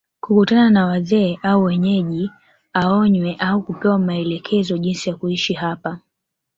kukutana na Wazee au Wenyeji aonywe au kupewa maelekezo jinsi ya kuishi hapa